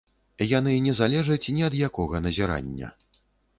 Яны не залежаць ні ад якога назірання.